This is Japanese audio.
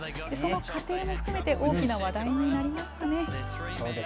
その過程も含めて大きな話題になりましたね。